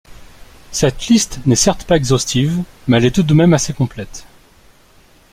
Cette liste n'est certes pas exhaustive, mais elle est tout de même assez complète.